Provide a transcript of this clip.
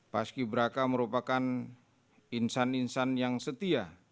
paski braka merupakan insan insan yang setia